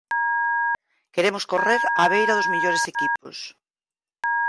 Queremos correr á beira dos mellores equipos.